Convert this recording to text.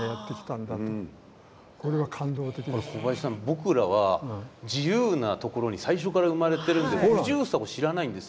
僕らは自由なところに最初から生まれてるんで不自由さを知らないんですよ。